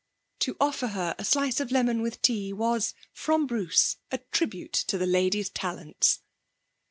To offer her a slice of lemon with tea was, from Bruce, a tribute to the lady's talents.